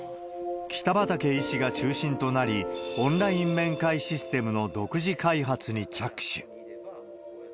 北畠医師が中心となり、オンライン面会システムの独自開発に着手。